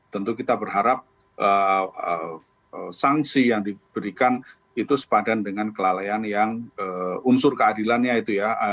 tentu kita berharap sanksi yang diberikan itu sepadan dengan kelalaian yang unsur keadilannya itu ya